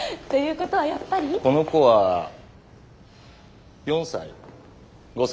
この子は４歳？